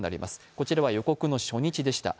こちらは予告の初日でした。